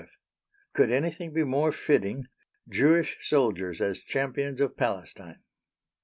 E.F. Could anything be more fitting? Jewish soldiers as champions of Palestine.